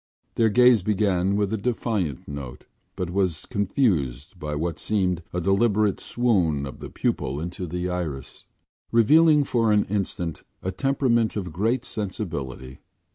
Their gaze began with a defiant note but was confused by what seemed a deliberate swoon of the pupil into the iris, revealing for an instant a temperament of great sensibility.